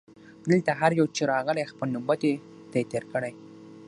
دلته هر یو چي راغلی خپل نوبت یې دی تېر کړی